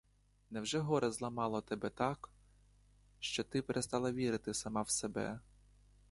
Невже горе зламало тебе так, що ти перестала вірити сама в себе?